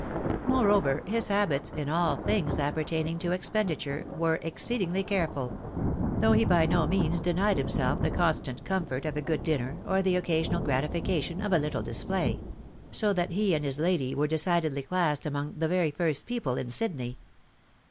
Moreover, his habits, in aU thing s 14 THK WIDOW MAEEIED. appertaining to expenditure, were exceedingly careful ; though he by no means denied himself the constant comfort of a good dinner, or the occasional gratification of a little display ; so that he and his lady were decidedly classed among the very first people in Sydney.